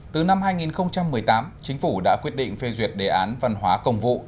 từ năm hai nghìn một mươi tám chính phủ đã quyết định phê duyệt đề án văn hóa công vụ